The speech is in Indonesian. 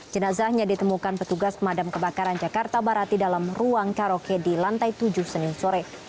jenazahnya ditemukan petugas pemadam kebakaran jakarta barat di dalam ruang karaoke di lantai tujuh senin sore